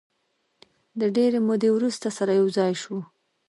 د ډېرې مودې وروسته سره یو ځای شوو.